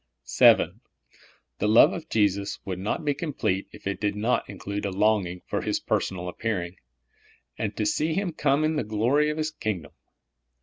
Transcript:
VII. The love of Jesus would not be complete if it did not include a longing for His personal appearing, and to see Him come in the glory of His kingdom.